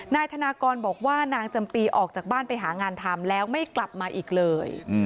นายธนากรบอกว่านางจำปีออกจากบ้านไปหางานทำแล้วไม่กลับมาอีกเลย